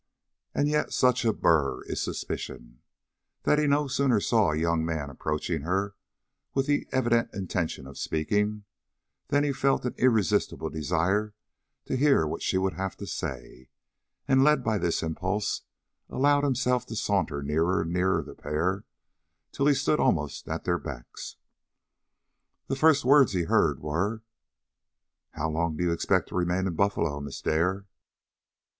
And yet such a burr is suspicion, that he no sooner saw a young man approaching her with the evident intention of speaking, than he felt an irresistible desire to hear what she would have to say, and, led by this impulse, allowed himself to saunter nearer and nearer the pair, till he stood almost at their backs. The first words he heard were: "How long do you expect to remain in Buffalo, Miss Dare?"